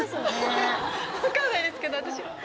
分かんないですけど私。